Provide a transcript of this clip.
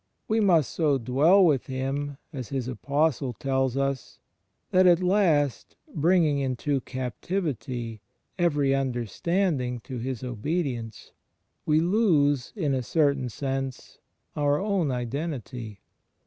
We must so dwell with Him, as His Apostle tells us, that at last, "bringing into captivity every imderstanding "^ to His obedience, we lose, in a certain sense, our own identity.